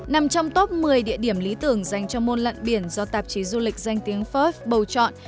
nằm trong top một mươi địa điểm lý tưởng dành cho môn lận biển do tạp chí du lịch danh tiếng fures bầu chọn